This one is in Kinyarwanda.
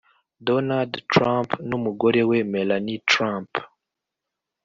Donald trump n’ umugore we Melanie trump